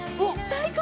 最高！